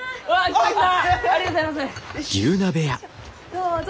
どうぞ！